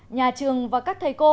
nhà trường và các trường trung tâm